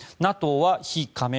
ＮＡＴＯは非加盟。